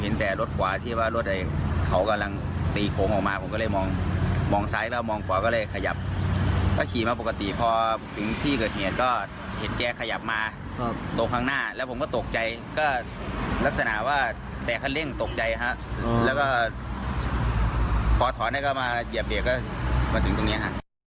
แล้วก็พอถอนให้เขามาเหยียบเรทก็มาถึงตรงนี้ค่ะ